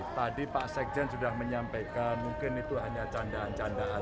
tadi pak sekjen sudah menyampaikan mungkin itu hanya candaan candaan